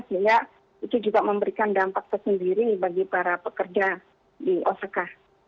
sehingga itu juga memberikan dampak tersendiri bagi para pekerja di osaka